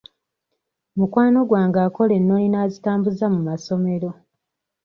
Mukwano gwange akola ennoni n'azitambuza mu masomero.